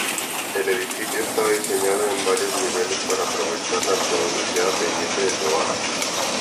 El edificio estaba diseñado en varios niveles para aprovechar la pronunciada pendiente del lugar.